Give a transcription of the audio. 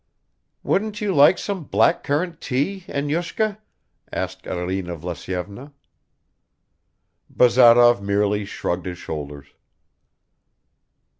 "Wouldn't you like some black currant tea, Enyushka?" asked Arina Vlasyevna. Bazarov merely shrugged his shoulders.